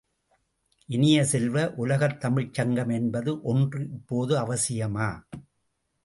இனிய செல்வ, உலகத் தமிழ்ச் சங்கம் என்பது ஒன்று இப்போது அவசியமா?